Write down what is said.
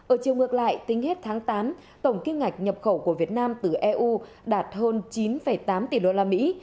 ở chiều ngược lại tính hết tháng tám tổng kim ngạch nhập khẩu của việt nam từ eu đạt hơn chín tám tỷ đô la mỹ